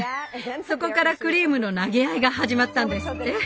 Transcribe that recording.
そこからクリームの投げ合いが始まったんですって。